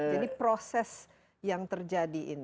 jadi proses yang terjadi